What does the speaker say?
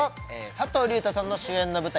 佐藤隆太さんの主演の舞台